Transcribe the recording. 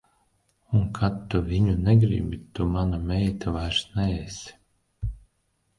Un kad tu viņa negribi, tu mana meita vairs neesi.